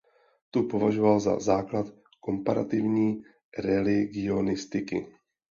Tu považoval za základ komparativní religionistiky.